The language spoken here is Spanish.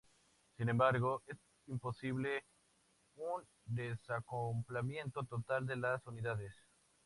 Sin embargo, es imposible un desacoplamiento total de las unidades.